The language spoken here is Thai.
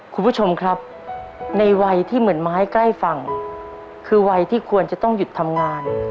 คุณผู้ชมครับในวัยที่เหมือนไม้ใกล้ฝั่งคือวัยที่ควรจะต้องหยุดทำงาน